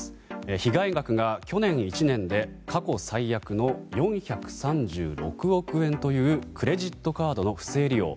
被害額が去年１年で過去最悪の４３６億円というクレジットカードの不正利用。